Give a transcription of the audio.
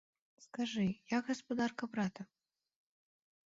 Скажы, як гаспадарка брата?